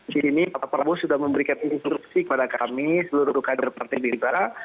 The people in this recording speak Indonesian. di sini pak prabowo sudah memberikan instruksi kepada kami seluruh kader partai gerindra